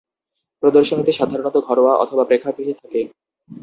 প্রদর্শনী সাধারণত ঘরোয়া অথবা প্রেক্ষাগৃহে থাকে।